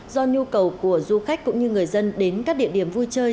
do nhu cầu của du khách cũng như người dân đến các địa điểm vui chơi